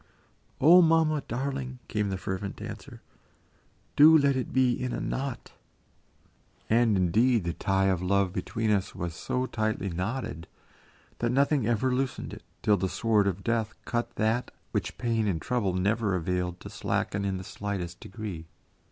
"O mamma, darling," came the fervent answer, "do let it be in a knot." And, indeed, the tie of love between us was so tightly knotted that nothing ever loosened it till the sword of Death cut that which pain and trouble never availed to slacken in the slightest degree.)